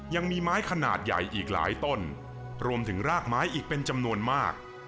ยังมีไม้ขนาดใหญ่อีกหลายต้นรวมถึงรากไม้อีกเป็นจำนวนมาก